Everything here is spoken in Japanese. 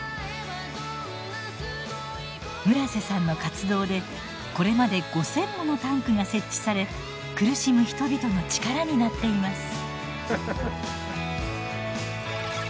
村瀬さんの活動でこれまで５，０００ものタンクが設置され苦しむ人々の力になっています。